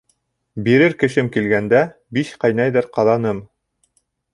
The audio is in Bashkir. Бирер кешем килгәндә, биш ҡайнайҙыр ҡаҙаным.